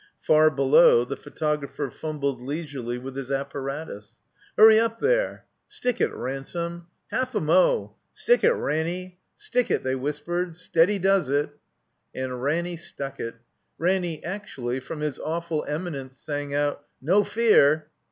Far below, the photographer fumbled leisurely with his apparatus. "Hurry up, there!" "Stick it, Ransome!" "Half a mo!" "Stick it, Ranny; stick it!" they whispered. "Steady does it." And Ranny stuck it. Ranny actually, from his awful eminence, sang out, "No fear!"